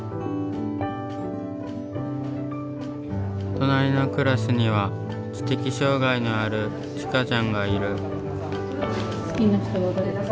隣のクラスには知的障害のあるちかちゃんがいる。